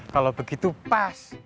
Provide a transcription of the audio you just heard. kalau begitu pas